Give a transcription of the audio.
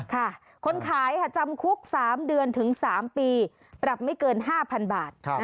คนขายจำคุก๓เดือนถึง๓ปีปรับไม่เกิน๕๐๐๐บาท